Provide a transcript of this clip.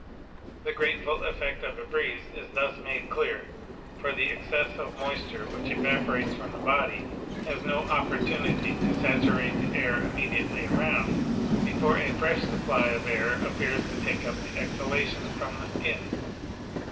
The grateful effect of a breeze is thus made clear, for the excess of moisture which evaporates from the body has no 56 PHYSICS opportunity to saturate the air immediately around, before a fresh supply of air appears to take up the exhalation from the skin.